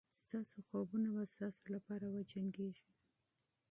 ستاسو خوبونه به ستاسو لپاره وجنګېږي.